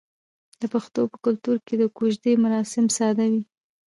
د پښتنو په کلتور کې د کوژدې مراسم ساده وي.